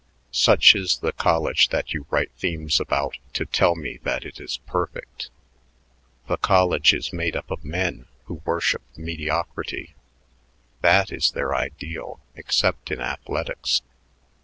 "Such is the college that you write themes about to tell me that it is perfect. The college is made up of men who worship mediocrity; that is their ideal except in athletics.